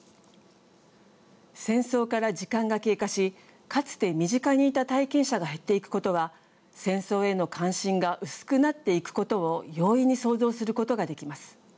戦争から時間が経過しかつて身近にいた体験者が減っていくことは戦争への関心が薄くなっていくことを容易に想像することができます。